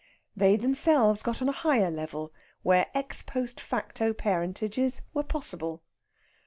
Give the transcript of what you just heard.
They themselves got on a higher level, where ex post facto parentages were possible.